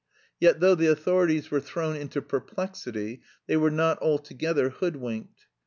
Yet, though the authorities were thrown into perplexity, they were not altogether hoodwinked.